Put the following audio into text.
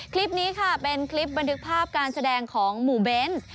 คลิปนี้ค่ะเป็นคลิปบันทึกภาพการแสดงของหมู่เบ้น